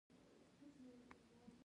جميله به له میخ لرونکو بوټانو سره ګرځېده.